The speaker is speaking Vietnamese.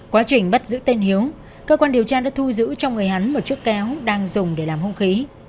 quá trình bắt giữ tên hiếu cơ quan điều tra đã thu giữ trong người hắn một chiếc kéo đang dùng để làm hông khí